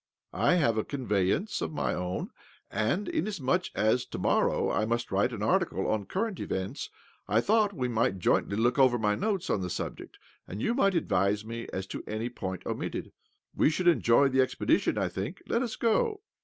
I have a conveyance of my own, and, inasmuch as, to morrow, I must write an article on current events, I thought we might jointly look over my notes on the subject, and you might advise me as to any point omitted. We should enjoy the expedition, I think. Let us go."